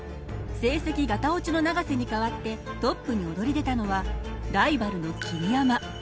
成績ガタオチの永瀬に代わってトップに躍り出たのはライバルの桐山。